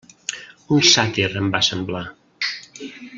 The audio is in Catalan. Un sàtir, em va semblar.